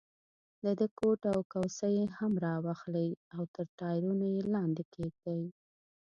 د ده کوټ او کوسۍ هم را واخلئ او تر ټایرونو یې لاندې کېږدئ.